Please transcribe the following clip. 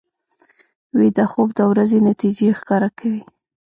ویده خوب د ورځې نتیجې ښکاره کوي